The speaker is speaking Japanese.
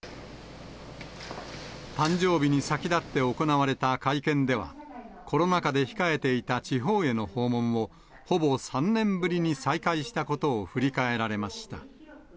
誕生日に先立って行われた会見では、コロナ禍で控えていた地方への訪問をほぼ３年ぶりに再開したことを振り返られました。